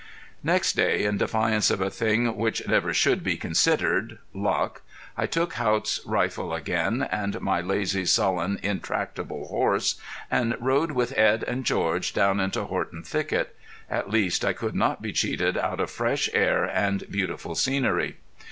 Next day, in defiance of a thing which never should be considered luck I took Haught's rifle again, and my lazy, sullen, intractable horse, and rode with Edd and George down into Horton Thicket. At least I could not be cheated out of fresh air and beautiful scenery.